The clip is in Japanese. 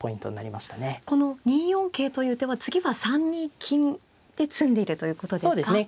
この２四桂という手は次は３二金で詰んでいるということですか。